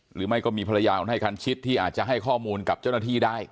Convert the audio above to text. หรือไม่ก็มีภรรยาของนายคันชิตที่อาจจะให้ข้อมูลกับเจ้าหน้าที่ได้